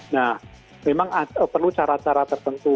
nah memang perlu cara cara tertentu